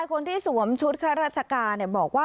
มันเป็นสิ่งที่เราไม่ได้รู้สึกว่า